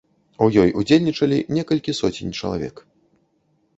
У ёй удзельнічалі некалькі соцень чалавек.